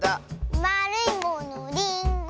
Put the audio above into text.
「まるいものリンゴ！」